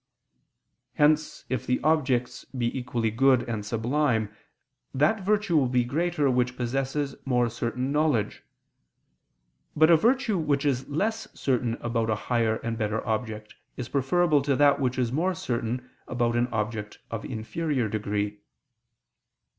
Hence if the objects be equally good and sublime, that virtue will be greater which possesses more certain knowledge. But a virtue which is less certain about a higher and better object, is preferable to that which is more certain about an object of inferior degree.